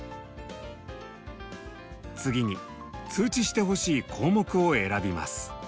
次に通知してほしい項目を選びます。